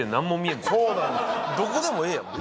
どこでもええやん。